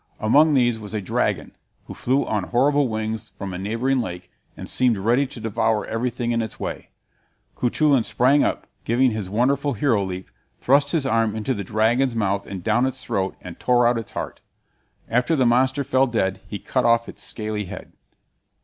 Among these was a dragon, which flew on horrible wings from a neighboring lake, and seemed ready to devour everything in its way. Cuchulain sprang up, giving his wonderful hero leap, thrust his arm into the dragon's mouth and down its throat, and tore out its heart. After the monster fell dead, he cut off its scaly head.